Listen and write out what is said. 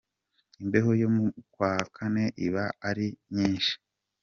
Imbeho yo mu kwa kane iba ari nyinshi!